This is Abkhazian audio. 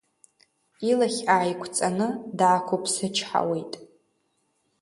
Илахь ааиқәҵаны, даақәыԥсычҳауеит.